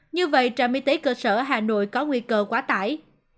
như vậy trạm y tế cơ sở hà nội có nguy cơ quá tải